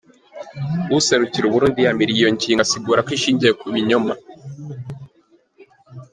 Uwuserukira u Burundi yiyamirije iyo ngingo asigura ko ishingiye ku binyoma.